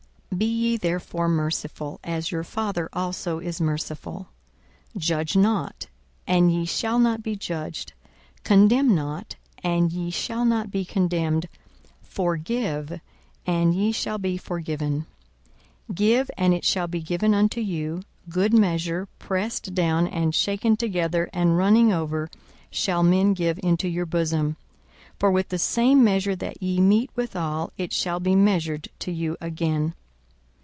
42:006:036 Be ye therefore merciful, as your Father also is merciful. 42:006:037 Judge not, and ye shall not be judged: condemn not, and ye shall not be condemned: forgive, and ye shall be forgiven: 42:006:038 Give, and it shall be given unto you; good measure, pressed down, and shaken together, and running over, shall men give into your bosom. For with the same measure that ye mete withal it shall be measured to you again.